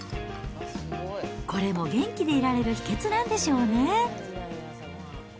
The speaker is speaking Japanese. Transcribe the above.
これも元気でいられる秘けつなんでしょうね。